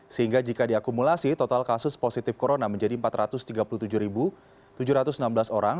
sehingga jika diakumulasi total kasus positif corona menjadi empat ratus tiga puluh tujuh tujuh ratus enam belas orang